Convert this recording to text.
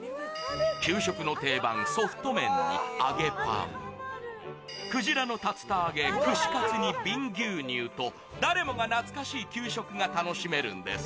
給食の定番、ソフト麺に揚げパン、鯨の竜田揚げ、串カツに瓶牛乳と、誰もが懐かしい給食が楽しめるんです。